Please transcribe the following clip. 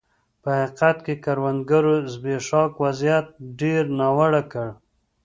په حقیقت کې د کروندګرو زبېښاک وضعیت ډېر ناوړه کړ.